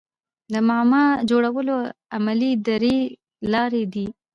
د معماوو جوړولو علمي درې لاري دي.